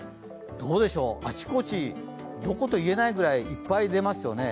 どうでしょう、あちこち、どこと言えないぐらい、いっぱい出ていますよね。